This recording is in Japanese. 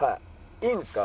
いいんですか？